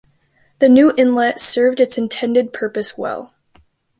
The new inlet served its intended purpose well.